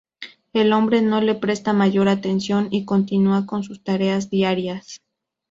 El hombre no le presta mayor atención y continúa con sus tareas diarias.